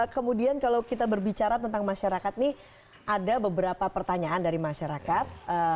kemudian kalau kita berbicara tentang masyarakat ini ada beberapa pertanyaan dari masyarakat